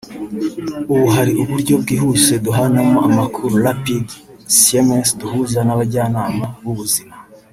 ubu hari uburyo bwihuse duhanamo amakuru (rapid sms) duhuza n’abajyanama b’ubuzima